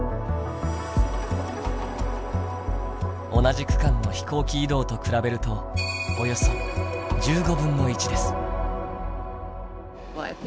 同じ区間の飛行機移動と比べるとおよそ１５分の１です。